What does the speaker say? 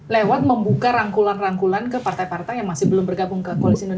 lewat membuka rangkulan rangkulan ke partai partai yang masih belum bergabung ke koalisi indonesia